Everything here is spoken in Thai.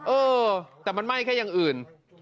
เออแต่มันไหม้แค่อย่างอื่น